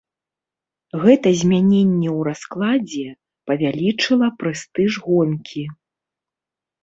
Гэта змяненне ў раскладзе павялічыла прэстыж гонкі.